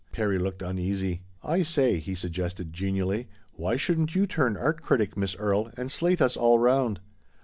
Perry looked uneasy. "I say," he suggested genially, "why shouldn't you turn art critic, Miss Erie, and slate us all round